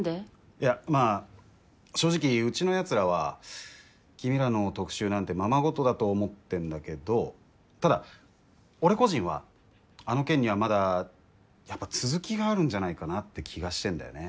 いやまあ正直うちのやつらは君らの特集なんてままごとだと思ってんだけどただ俺個人はあの件にはまだやっぱ続きがあるんじゃないかなって気がしてんだよね。